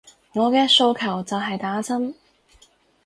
我嘅訴求就係打針